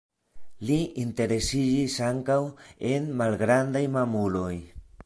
Li interesiĝis ankaŭ en malgrandaj mamuloj.